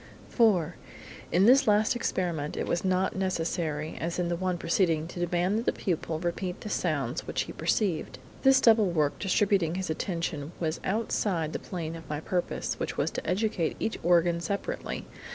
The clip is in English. "IV: In this last experiment it was not necessary, as in the one preceding, to demand that the pupil repeat the sounds which he perceived. This double work, distributing his attention, was outside the plane of my purpose, which was to educate each organ separately.